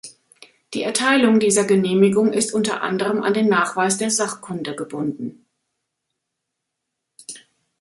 Die Erteilung dieser Genehmigung ist unter anderem an den Nachweis der Sachkunde gebunden.